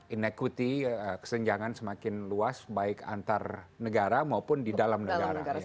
inequity kesenjangan semakin luas baik antar negara maupun di dalam negara